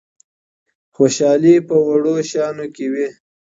خوشحالي په وړو شیانو کي وي.